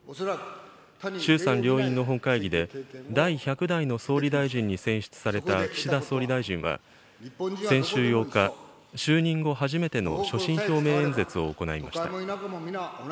衆参両院の本会議で、第１００代の総理大臣に選出された岸田総理大臣は、先週８日、就任後初めての所信表明演説を行いました。